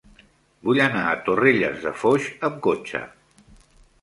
Vull anar a Torrelles de Foix amb cotxe.